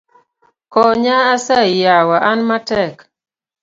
Konya asayi yawa, an matek.